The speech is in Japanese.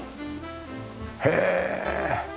へえ。